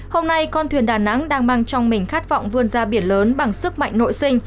hôm nay con thuyền đà nẵng đang mang trong mình khát vọng vươn ra biển lớn bằng sức mạnh nội sinh